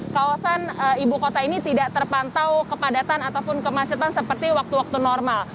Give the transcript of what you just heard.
kawasan ibu kota ini tidak terpantau kepadatan ataupun kemacetan seperti waktu waktu normal